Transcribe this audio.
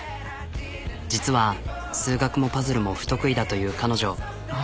実は数学もパズルも不得意だという彼女。